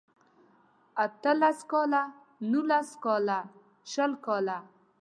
اته لس کاله نولس کاله شل کاله